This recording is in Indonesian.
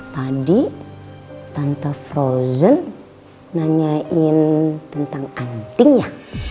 tadi tante frozen nanyain tentang anting ya